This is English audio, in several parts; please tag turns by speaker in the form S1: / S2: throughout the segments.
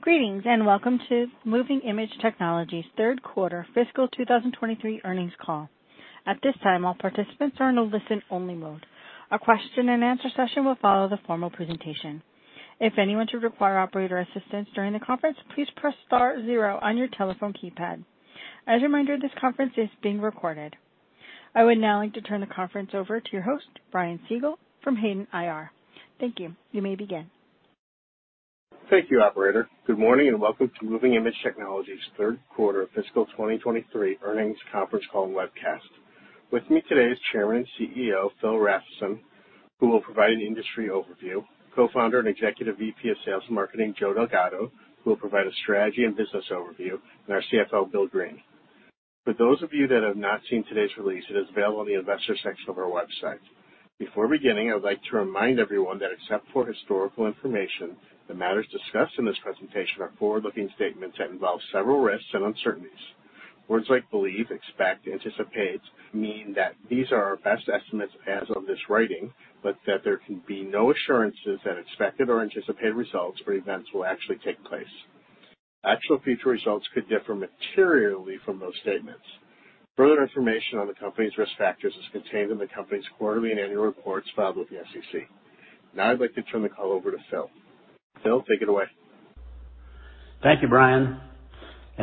S1: Greetings. Welcome to Moving iMage Technologies' Third Quarter Fiscal 2023 Earnings Call. At this time, all participants are in a listen-only mode. A question and answer session will follow the formal presentation. If anyone should require operator assistance during the conference, please press star 0 on your telephone keypad. As a reminder, this conference is being recorded. I would now like to turn the conference over to your host, Brian Siegel from Hayden IR. Thank you. You may begin.
S2: Thank you, operator. Good morning, and welcome to Moving iMage Technologies Third Quarter Fiscal 2023 Earnings Conference Call and Webcast. With me today is Chairman and CEO, Phil Rafnson, who will provide an industry overview, Co-Founder and Executive VP of Sales and Marketing, Joe Delgado, who will provide a strategy and business overview, and our CFO, Bill Greene. For those of you that have not seen today's release, it is available on the Investors section of our website. Before beginning, I would like to remind everyone that except for historical information, the matters discussed in this presentation are forward-looking statements that involve several risks and uncertainties. Words like believe, expect, anticipate mean that these are our best estimates as of this writing, but that there can be no assurances that expected or anticipated results or events will actually take place. Actual future results could differ materially from those statements. Further information on the company's risk factors is contained in the company's quarterly and annual reports filed with the SEC. Now I'd like to turn the call over to Phil. Phil, take it away.
S3: Thank you, Brian.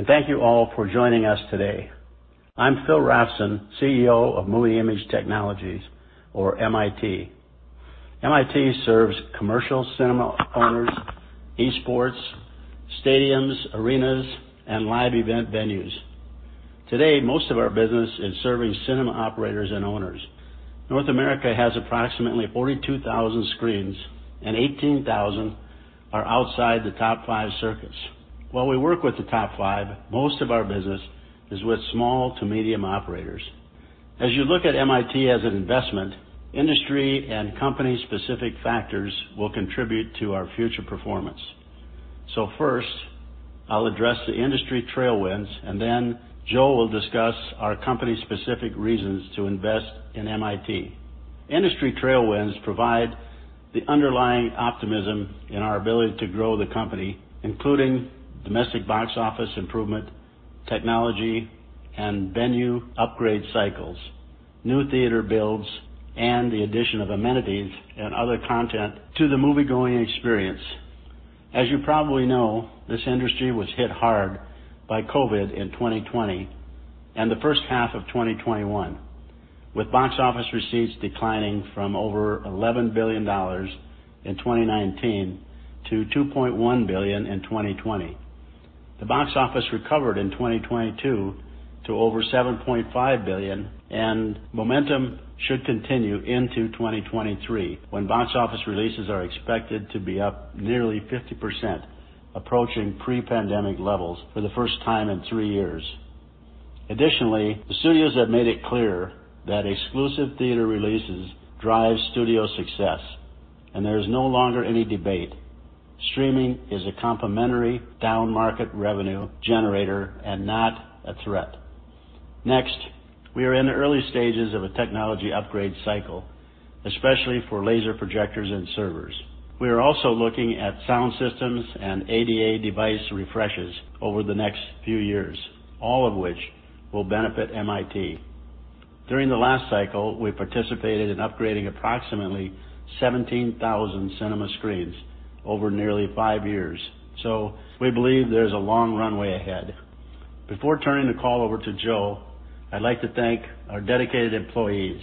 S3: Thank you all for joining us today. I'm Phil Rafnson, CEO of Moving iMage Technologies, or MiT. MiT serves commercial cinema owners, eSports, stadiums, arenas, and live event venues. Today, most of our business is serving cinema operators and owners. North America has approximately 42,000 screens, and 18,000 are outside the top five circuits. While we work with the top five, most of our business is with small to medium operators. As you look at MiT as an investment, industry and company-specific factors will contribute to our future performance. First, I'll address the industry tailwinds, and then Joe will discuss our company-specific reasons to invest in MiT. Industry tailwinds provide the underlying optimism in our ability to grow the company, including domestic box office improvement, technology, and venue upgrade cycles, new theater builds, and the addition of amenities and other content to the moviegoing experience. As you probably know, this industry was hit hard by COVID in 2020 and the first half of 2021, with box office receipts declining from over $11 billion in 2019 to $2.1 billion in 2020. The box office recovered in 2022 to over $7.5 billion, and momentum should continue into 2023, when box office releases are expected to be up nearly 50%, approaching pre-pandemic levels for the first time in three years. Additionally, the studios have made it clear that exclusive theater releases drive studio success, and there is no longer any debate. Streaming is a complimentary downmarket revenue generator and not a threat. We are in the early stages of a technology upgrade cycle, especially for laser projectors and servers. We are also looking at sound systems and ADA device refreshes over the next few years, all of which will benefit MiT. During the last cycle, we participated in upgrading approximately 17,000 cinema screens over nearly five years. We believe there's a long runway ahead. Before turning the call over to Joe, I'd like to thank our dedicated employees.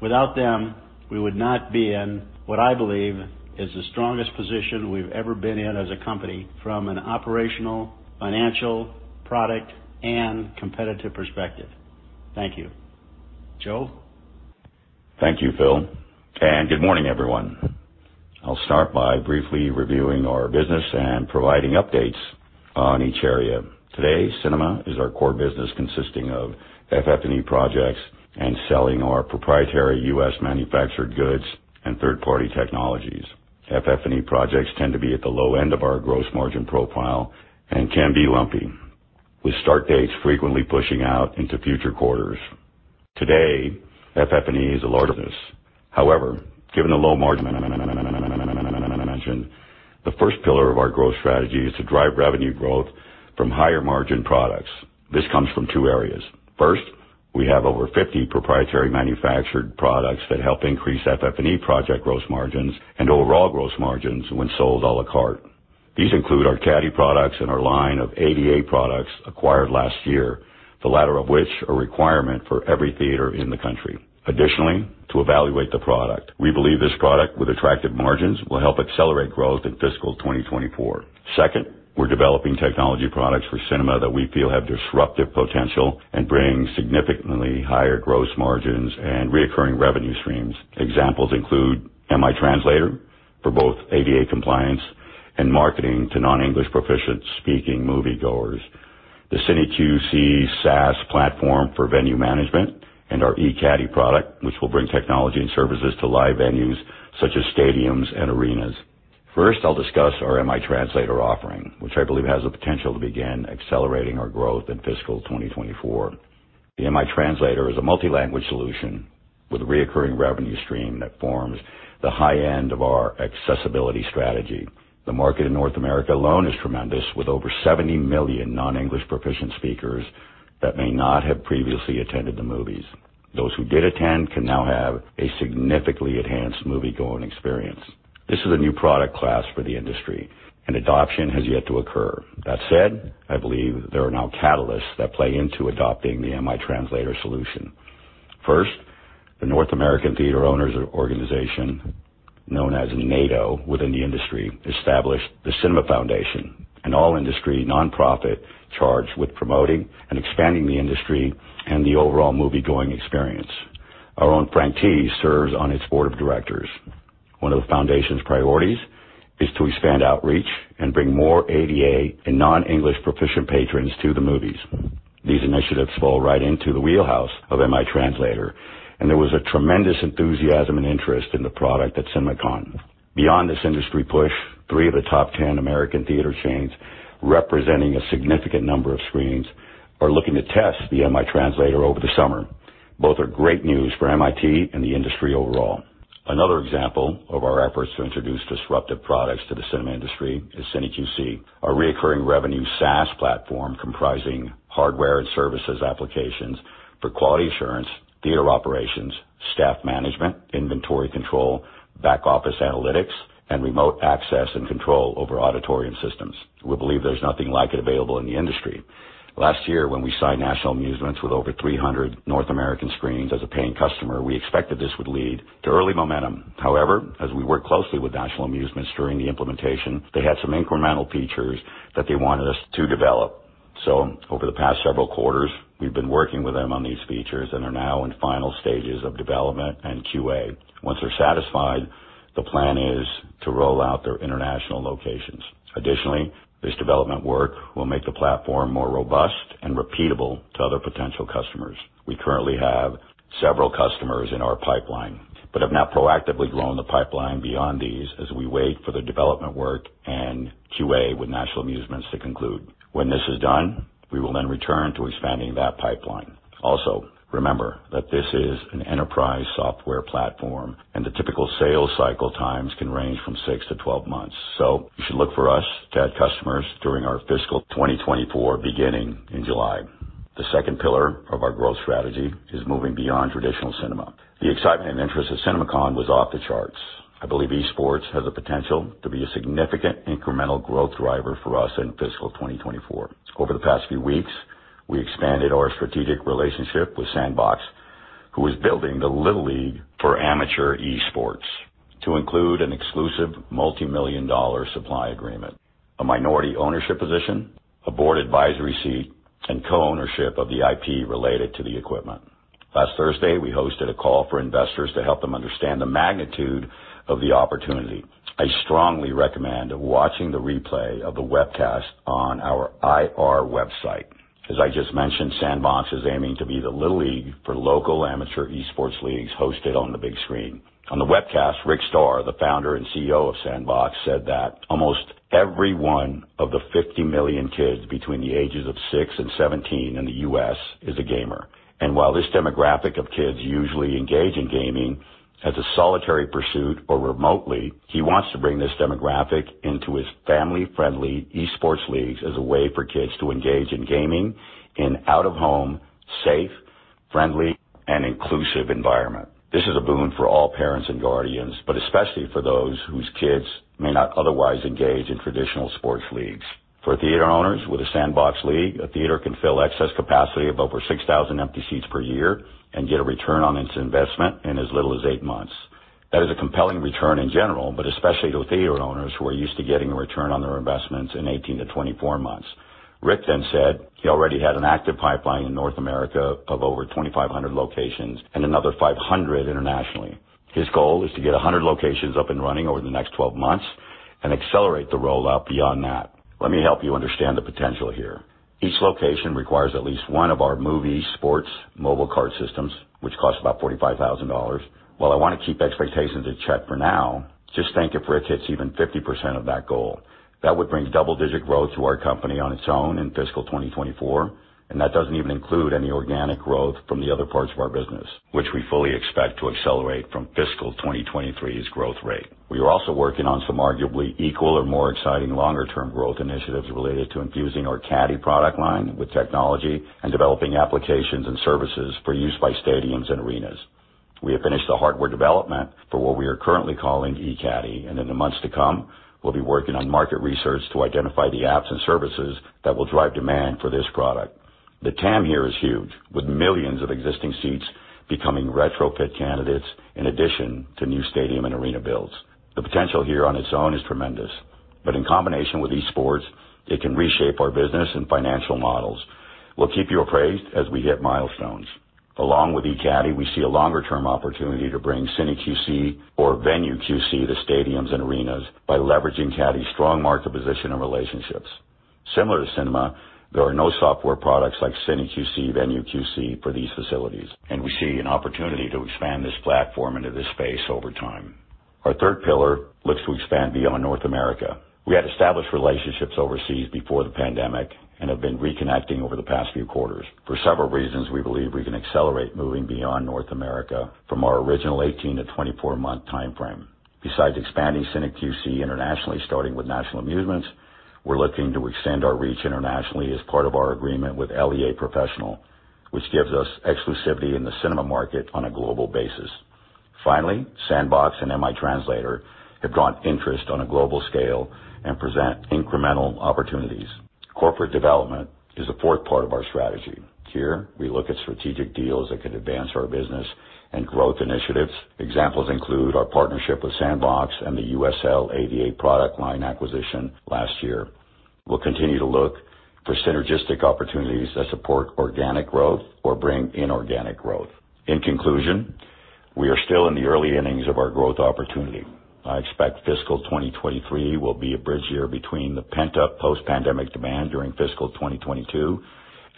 S3: Without them, we would not be in what I believe is the strongest position we've ever been in as a company from an operational, financial, product, and competitive perspective. Thank you. Joe?
S4: Thank you, Phil. Good morning, everyone. I'll start by briefly reviewing our business and providing updates on each area. Today, cinema is our core business consisting of FF&E projects and selling our proprietary U.S.-manufactured goods and third-party technologies. FF&E projects tend to be at the low end of our gross margin profile and can be lumpy, with start dates frequently pushing out into future quarters. Today, FF&E is a large business. However, given the low margin, the first pillar of our growth strategy is to drive revenue growth from higher margin products. This comes from two areas. First, we have over 50 proprietary manufactured products that help increase FF&E project gross margins and overall gross margins when sold à la carte. These include our Caddy products and our line of ADA products acquired last year, the latter of which are requirement for every theater in the country. Additionally, to evaluate the product, we believe this product with attractive margins will help accelerate growth in fiscal 2024. Second, we're developing technology products for cinema that we feel have disruptive potential and bring significantly higher gross margins and recurring revenue streams. Examples include MiTranslator for both ADA compliance and marketing to non-English proficient speaking moviegoers. The CineQC SaaS platform for venue management and our eCaddy product, which will bring technology and services to live venues such as stadiums and arenas. First, I'll discuss our MiTranslator, which I believe has the potential to begin accelerating our growth in fiscal 2024. The MiTranslator is a multi-language solution with recurring revenue stream that forms the high end of our accessibility strategy. The market in North America alone is tremendous, with over 70 million non-English proficient speakers that may not have previously attended the movies. Those who did attend can now have a significantly enhanced moviegoing experience. This is a new product class for the industry, and adoption has yet to occur. That said, I believe there are now catalysts that play into adopting the MiTranslator solution. First, the National Association of Theatre Owners, known as NATO within the industry, established The Cinema Foundation, an all industry nonprofit charged with promoting and expanding the industry and the overall moviegoing experience. Our own Frank Tees serves on its Board of Directors. One of the foundation's priorities is to expand outreach and bring more ADA and non-English proficient patrons to the movies. These initiatives fall right into the wheelhouse of MiTranslator, and there was a tremendous enthusiasm and interest in the product at CinemaCon. Beyond this industry push, three of the top 10 American theater chains, representing a significant number of screens, are looking to test the MiTranslator over the summer. Both are great news for MiT and the industry overall. Another example of our efforts to introduce disruptive products to the cinema industry is CineQC, our reoccurring revenue SaaS platform comprising hardware and services applications for quality assurance, theater operations, staff management, inventory control, back-office analytics, and remote access and control over auditorium systems. We believe there's nothing like it available in the industry. Last year, when we signed National Amusements with over 300 North American screenings as a paying customer, we expected this would lead to early momentum. However, as we work closely with National Amusements during the implementation, they had some incremental features that they wanted us to develop. Over the past several quarters, we've been working with them on these features and are now in final stages of development and QA. Once they're satisfied, the plan is to roll out their international locations. Additionally, this development work will make the platform more robust and repeatable to other potential customers. We currently have several customers in our pipeline, but have now proactively grown the pipeline beyond these as we wait for the development work and QA with National Amusements to conclude. When this is done, we will then return to expanding that pipeline. Remember that this is an enterprise software platform and the typical sales cycle times can range from 6-12 months. You should look for us to add customers during our fiscal 2024, beginning in July. The second pillar of our growth strategy is moving beyond traditional cinema. The excitement and interest of CinemaCon was off the charts. I believe eSports has the potential to be a significant incremental growth driver for us in fiscal 2024. Over the past few weeks, we expanded our strategic relationship with SNDBX, who is building the Little League for amateur eSports to include an exclusive multi-million dollar supply agreement, a minority ownership position, a Board Advisory seat, and co-ownership of the IP related to the equipment. Last Thursday, we hosted a call for investors to help them understand the magnitude of the opportunity. I strongly recommend watching the replay of the webcast on our IR website. As I just mentioned, SNDBX is aiming to be the Little League for local amateur eSports leagues hosted on the big screen. On the webcast, Rick Starr, the Founder and CEO of SNDBX, said that almost every one of the 50 million kids between the ages of six and 17 in the U.S. is a gamer. While this demographic of kids usually engage in gaming as a solitary pursuit or remotely, he wants to bring this demographic into his family-friendly eSports leagues as a way for kids to engage in gaming in out-of-home, safe, friendly and inclusive environment. This is a boon for all parents and guardians, especially for those whose kids may not otherwise engage in traditional sports leagues. For theater owners with a SNDBX league, a theater can fill excess capacity of over 6,000 empty seats per year and get a return on its investment in as little as eight months. That is a compelling return in general, but especially to theater owners who are used to getting a return on their investments in 18-24 months. Rick said he already had an active pipeline in North America of over 2,500 locations and another 500 internationally. His goal is to get 100 locations up and running over the next 12 months and accelerate the rollout beyond that. Let me help you understand the potential here. Each location requires at least one of our MoveSports mobile cart systems, which costs about $45,000. While I want to keep expectations in check for now, just think if Rick hits even 50% of that goal, that would bring double-digit growth to our company on its own in fiscal 2024, and that doesn't even include any organic growth from the other parts of our business, which we fully expect to accelerate from fiscal 2023's growth rate. We are also working on some arguably equal or more exciting longer term growth initiatives related to infusing our Caddy product line with technology and developing applications and services for use by stadiums and arenas. We have finished the hardware development for what we are currently calling eCaddy. In the months to come, we'll be working on market research to identify the apps and services that will drive demand for this product. The TAM here is huge, with millions of existing seats becoming retrofit candidates in addition to new stadium and arena builds. The potential here on its own is tremendous, but in combination with eSports, it can reshape our business and financial models. We'll keep you appraised as we hit milestones. Along with eCaddy, we see a longer term opportunity to bring CineQC or VenueQC to stadiums and arenas by leveraging Caddy's strong market position and relationships. Similar to cinema, there are no software products like CineQC, VenueQC for these facilities, and we see an opportunity to expand this platform into this space over time. Our third pillar looks to expand beyond North America. We had established relationships overseas before the pandemic and have been reconnecting over the past few quarters. For several reasons, we believe we can accelerate moving beyond North America from our original 18-24 month timeframe. Besides expanding CineQC internationally, starting with National Amusements, we're looking to extend our reach internationally as part of our agreement with LEA Professional, which gives us exclusivity in the cinema market on a global basis. Finally, SNDBX and MiTranslator have drawn interest on a global scale and present incremental opportunities. Corporate development is a fourth part of our strategy. Here we look at strategic deals that can advance our business and growth initiatives. Examples include our partnership with SNDBX and the USL ADA product line acquisition last year. We'll continue to look for synergistic opportunities that support organic growth or bring inorganic growth. In conclusion, we are still in the early innings of our growth opportunity. I expect fiscal 2023 will be a bridge year between the pent-up post pandemic demand during fiscal 2022,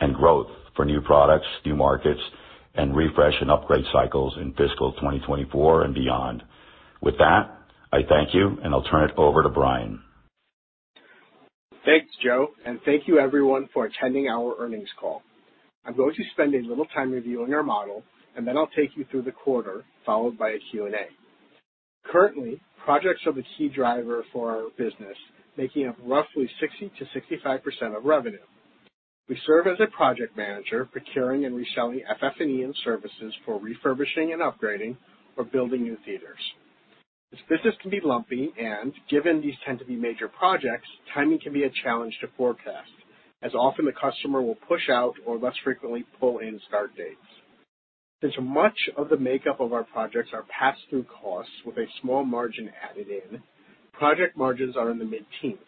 S4: and growth for new products, new markets, and refresh and upgrade cycles in fiscal 2024 and beyond. With that, I thank you, and I'll turn it over to Brian.
S2: Thanks, Joe. Thank you everyone for attending our earnings call. I'm going to spend a little time reviewing our model. Then I'll take you through the quarter, followed by a Q&A. Currently, projects are the key driver for our business, making up roughly 60% to 65% of revenue. We serve as a project manager, procuring and reselling FF&E and services for refurbishing and upgrading or building new theaters. This business can be lumpy. Given these tend to be major projects, timing can be a challenge to forecast, as often the customer will push out or less frequently pull in start dates. Since much of the makeup of our projects are passed through costs with a small margin added in, project margins are in the mid-teens.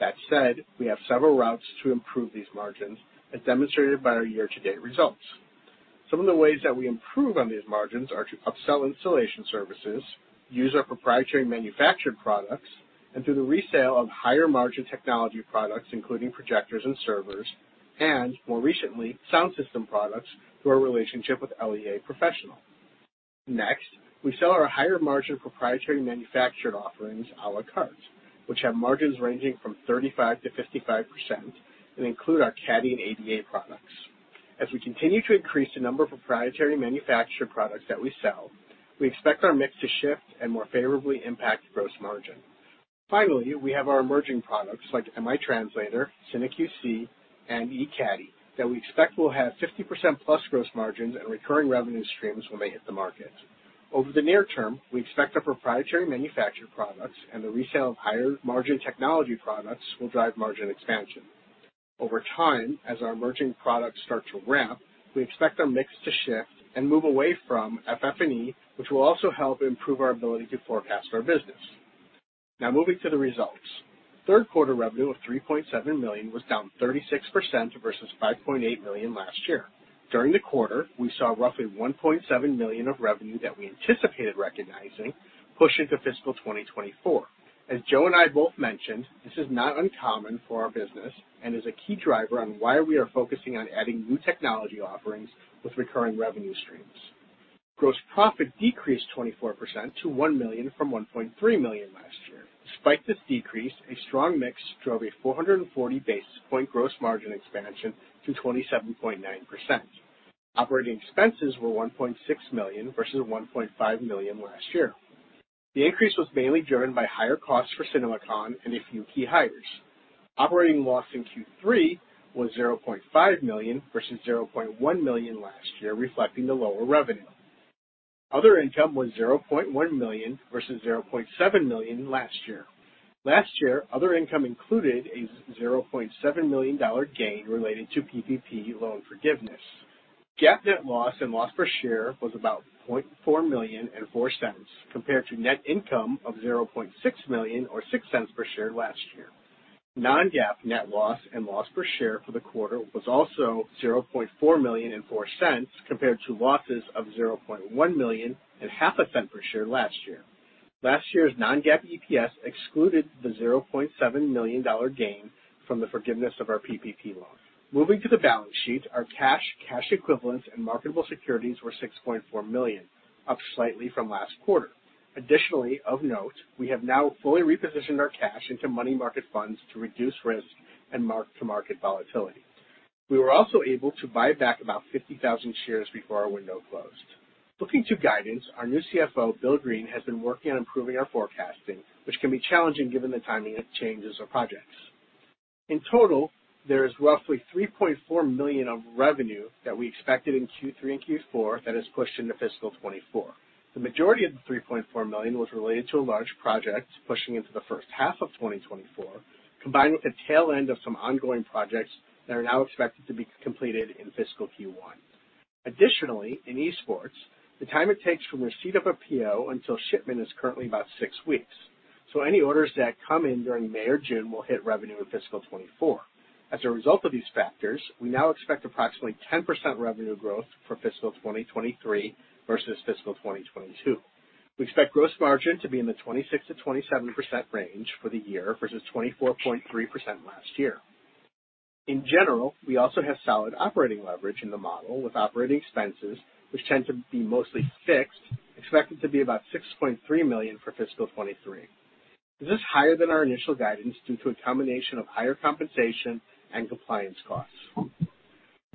S2: That said, we have several routes to improve these margins, as demonstrated by our year-to-date results. Some of the ways that we improve on these margins are to upsell installation services, use our proprietary manufactured products, and through the resale of higher margin technology products, including projectors and servers, and more recently, sound system products through our relationship with LEA Professional. We sell our higher margin proprietary manufactured offerings a la carte, which have margins ranging from 35%-55% and include our Caddy and ADA products. As we continue to increase the number of proprietary manufactured products that we sell, we expect our mix to shift and more favorably impact gross margin. We have our emerging products like MiTranslator, CineQC, and eCaddy that we expect will have 50%+ gross margins and recurring revenue streams when they hit the market. Over the near term, we expect our proprietary manufactured products and the resale of higher margin technology products will drive margin expansion. Over time, as our emerging products start to ramp, we expect our mix to shift and move away from FF&E, which will also help improve our ability to forecast our business. Now moving to the results. Third quarter revenue of $3.7 million was down 36% versus $5.8 million last year. During the quarter, we saw roughly $1.7 million of revenue that we anticipated recognizing push into fiscal 2024. As Joe and I both mentioned, this is not uncommon for our business and is a key driver on why we are focusing on adding new technology offerings with recurring revenue streams. Gross profit decreased 24% to $1 million from $1.3 million last year. Despite this decrease, a strong mix drove a 440 basis point gross margin expansion to 27.9%. Operating expenses were $1.6 million versus $1.5 million last year. The increase was mainly driven by higher costs for CinemaCon and a few key hires. Operating loss in Q3 was $0.5 million versus $0.1 million last year, reflecting the lower revenue. Other income was $0.1 million versus $0.7 million last year. Last year, other income included a $0.7 million gain related to PPP loan forgiveness. GAAP net loss and loss per share was about $0.4 million and $0.04, compared to net income of $0.6 million or $0.06 per share last year. Non-GAAP net loss and loss per share for the quarter was also $0.4 million and $0.04, compared to losses of $0.1 million and half a cent per share last year. Last year's non-GAAP EPS excluded the $0.7 million gain from the forgiveness of our PPP loan. Moving to the balance sheet, our cash equivalents and marketable securities were $6.4 million, up slightly from last quarter. Of note, we have now fully repositioned our cash into money market funds to reduce risk and mark-to-market volatility. We were also able to buy back about 50,000 shares before our window closed. Looking to guidance, our new CFO, Bill Greene, has been working on improving our forecasting, which can be challenging given the timing of changes or projects. In total, there is roughly $3.4 million of revenue that we expected in Q3 and Q4 that is pushed into fiscal 2024. The majority of the $3.4 million was related to a large project pushing into the first half of 2024, combined with the tail end of some ongoing projects that are now expected to be completed in fiscal Q1. Additionally, in eSports, the time it takes from receipt of a PO until shipment is currently about six weeks. Any orders that come in during May or June will hit revenue in fiscal 2024. As a result of these factors, we now expect approximately 10% revenue growth for fiscal 2023 versus fiscal 2022. We expect gross margin to be in the 26%-27% range for the year versus 24.3% last year. In general, we also have solid operating leverage in the model with operating expenses, which tend to be mostly fixed, expected to be about $6.3 million for fiscal 2023. This is higher than our initial guidance due to a combination of higher compensation and compliance costs.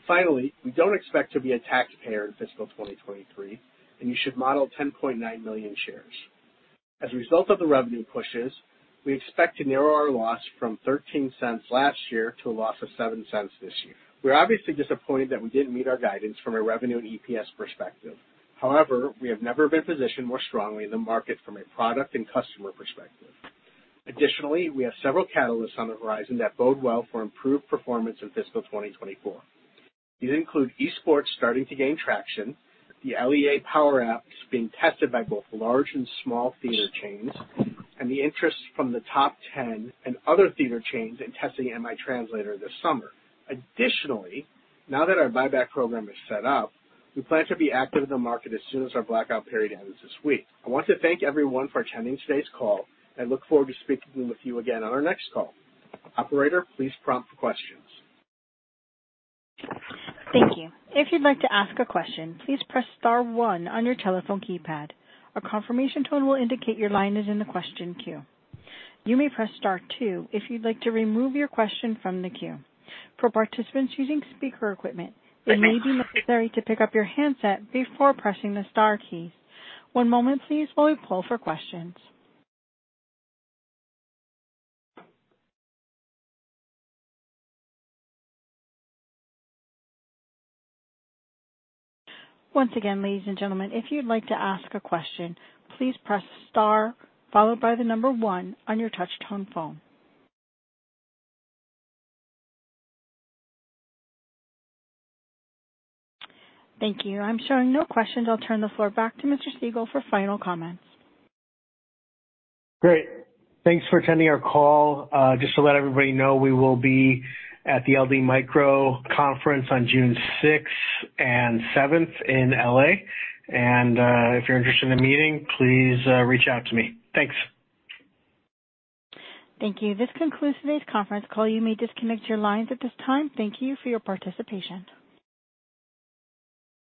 S2: Finally, we don't expect to be a taxpayer in fiscal 2023, and you should model 10.9 million shares. As a result of the revenue pushes, we expect to narrow our loss from $0.13 last year to a loss of $0.07 this year. We're obviously disappointed that we didn't meet our guidance from a revenue and EPS perspective. However, we have never been positioned more strongly in the market from a product and customer perspective. Additionally, we have several catalysts on the horizon that bode well for improved performance in fiscal 2024. These include eSports starting to gain traction, the LEA power apps being tested by both large and small theater chains, and the interest from the top 10 and other theater chains in testing MiTranslator this summer. Additionally, now that our buyback program is set up, we plan to be active in the market as soon as our blackout period ends this week. I want to thank everyone for attending today's call and look forward to speaking with you again on our next call. Operator, please prompt for questions.
S1: Thank you. If you'd like to ask a question, please press star one on your telephone keypad. A confirmation tone will indicate your line is in the question queue. You may press star two if you'd like to remove your question from the queue. For participants using speaker equipment.
S2: Thank you.
S1: It may be necessary to pick up your handset before pressing the star keys. One moment please while we poll for questions. Ladies and gentlemen, if you'd like to ask a question, please press star followed by one on your touch-tone phone. Thank you. I'm showing no questions. I'll turn the floor back to Mr. Siegel for final comments.
S2: Great. Thanks for attending our call. Just to let everybody know, we will be at the LD Micro Conference on June 6th and 7th in L.A. If you're interested in a meeting, please, reach out to me. Thanks.
S1: Thank you. This concludes today's conference call. You may disconnect your lines at this time. Thank you for your participation.